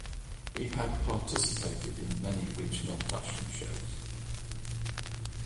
He had participated in many regional fashion shows.